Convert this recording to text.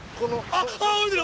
あっあっ泳いでる！